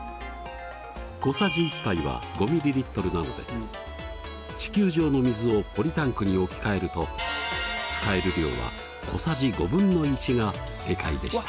小さじ１杯は５ｍＬなので地球上の水をポリタンクに置き換えると使える量は小さじ５分の１が正解でした。